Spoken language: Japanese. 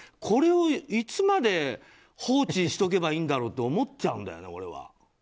これをいつまで放置しておけばいいんだろうって思っちゃうんだよね、俺は。